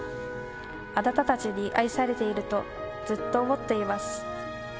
あなたたちに愛されているとずっと思っています。